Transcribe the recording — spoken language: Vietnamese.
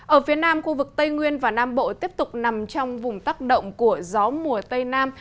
ở phía nam khu vực tây nguyên và nam bộ tiếp tục nằm trong vùng tác động của gió mùa tây nam